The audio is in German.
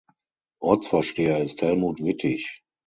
Ortsvorsteher ist Helmut Wittich.